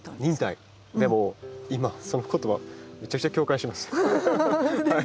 でも今その言葉むちゃくちゃ共感します。